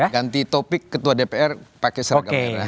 ganti topik ketua dpr pakai seragam merah